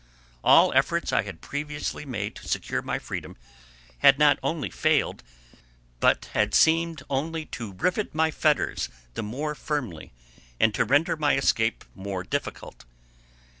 All efforts I had previously made to secure my freedom had not only failed, but had seemed only to rivet my fetters the more firmly, and to render my escape more difficult.